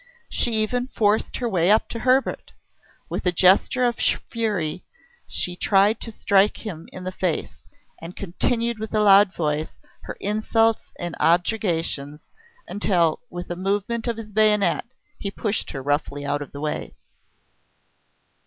She even forced her way up to Hebert. With a gesture of fury she tried to strike him in the face, and continued, with a loud voice, her insults and objurgations, until, with a movement of his bayonet, he pushed her roughly out of the way.